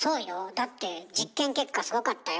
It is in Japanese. だって実験結果すごかったよ。